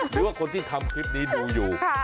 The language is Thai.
หรือว่าคนที่ทำคลิปนี้ดูอยู่